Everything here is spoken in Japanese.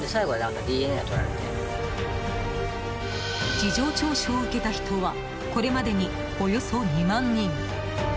事情聴取を受けた人はこれまでに、およそ２万人。